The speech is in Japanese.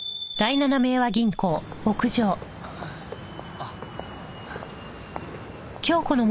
あっ。